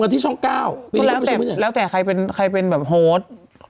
ครั้นปีนี้ใครเป็นโฮส